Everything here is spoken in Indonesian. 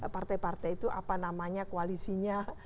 partai partai itu apa namanya koalisinya